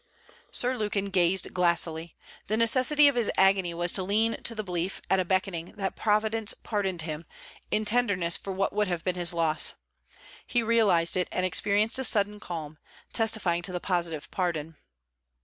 Sir Lukin gazed glassily. The necessity of his agony was to lean to the belief, at a beckoning, that Providence pardoned him, in tenderness for what would have been his loss. He realized it, and experienced a sudden calm: testifying to the positive pardon.